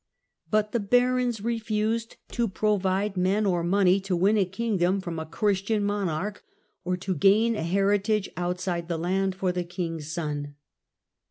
But the barons refused to provide men or money to win a kingdom from a Chnstian monarch, or to gain a heritage outside the land, for the king's son.